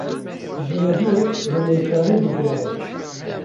Jinebiyek bi neçarî diğere